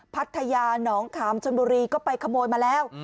พัทยาหนองขามชนบุรีก็ไปขโมยมาแล้ว